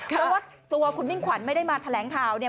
เพราะว่าตัวคุณมิ่งขวัญไม่ได้มาแถลงข่าวเนี่ย